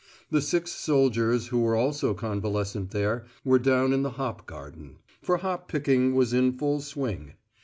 The six soldiers who were also convalescent there were down in the hop garden. For hop picking was in full swing.